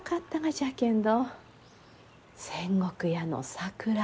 仙石屋の桜